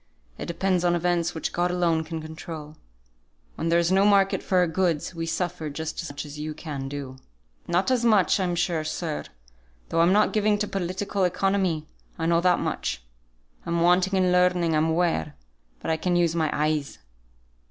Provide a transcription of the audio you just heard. It depends on events which God alone can control. When there is no market for our goods, we suffer just as much as you can do." "Not as much, I'm sure, sir; though I'm not given to Political Economy, I know that much. I'm wanting in learning, I'm aware; but I can use my eyes.